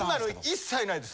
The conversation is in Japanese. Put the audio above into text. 一切ないの？